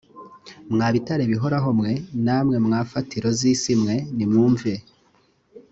mwa bitare bihoraho mwe namwe mwa mfatiro z isi mwe nimvumve